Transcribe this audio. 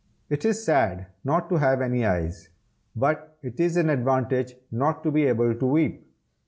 It is sad not to have any eyes, but it is an advantage not to be able to weep.